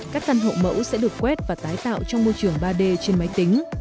các căn hộ mẫu sẽ được quét và tái tạo trong môi trường ba d trên máy tính